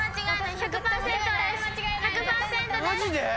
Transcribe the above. １００％です！